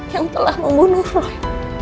yang telah membunuh roy